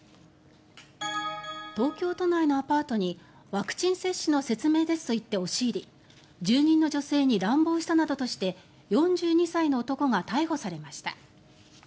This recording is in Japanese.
東京都内のアパートにワクチン接種の説明ですと言って押し入り住人の女性に乱暴したなどとして４２歳の男が逮捕されました。